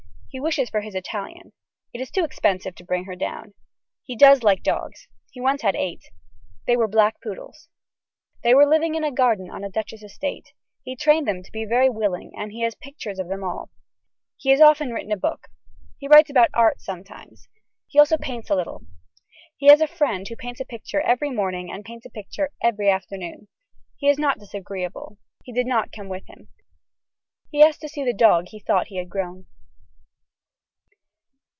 He wishes for his Italian. It is too expensive to bring her down. He does like dogs. He once had eight. They were black poodles. They were living in a garden on a duchess' estate. He trained them to be very willing and he has pictures of them all. He has often written a book. He writes about art sometimes. He also paints a little. He has a friend who paints a picture every morning and paints a picture every afternoon. He is not disagreeable. He did not come with him. He asked to see the dog he thought he had grown.